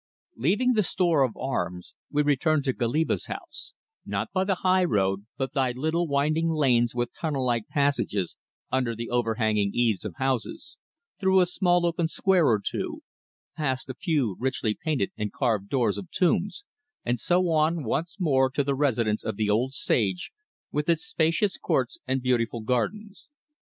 LEAVING the store of arms we returned to Goliba's house; not by the high road, but by little winding lanes with tunnel like passages under the overhanging eaves of houses; through a small open square or two, past a few richly painted and carved doors of tombs, and so on once more to the residence of the old sage, with its spacious courts and beautiful gardens.